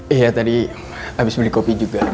iya tadi habis beli kopi juga